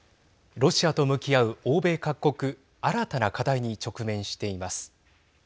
ロシアと向き合う欧米各国新たな課題に直面しています。